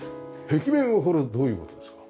壁面はこれどういう事ですか？